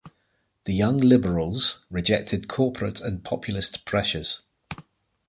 The young liberals rejected corporate and populist pressures.